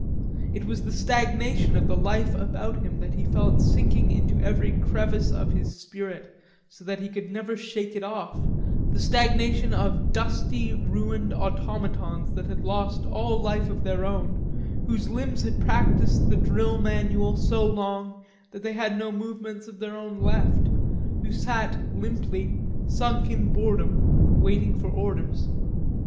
It was the stagnation of the life about him that he felt sinking into every crevice of his spirit, so that he could never shake it off, the stagnation of dusty ruined automatons that had lost all life of their own, whose limbs had practised the drill manual so long that they had no movements of their own left, who sat limply, sunk in boredom, waiting for orders.